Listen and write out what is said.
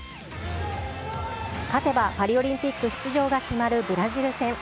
勝てばパリオリンピック出場が決まるブラジル戦。